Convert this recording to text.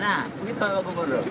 nah begitu pak pak gubernur